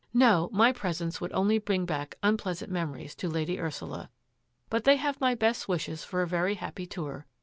" No ; my presence would only bring back unpleasant memories to Lady Ursula, but they have my best wishes for a very happy tour.